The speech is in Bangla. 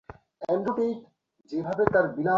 আমাদের ওখানে বাল্যবিবাহ করে না।